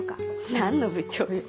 何の部長よ。